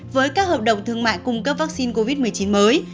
với các hợp đồng thương mại cung cấp vaccine covid một mươi chín mới